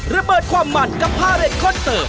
ระเบิดความหมั่นกับผ้าเร็ดคอนเตอร์